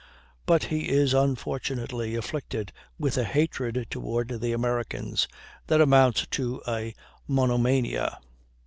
But he is unfortunately afflicted with a hatred toward the Americans that amounts to a monomania.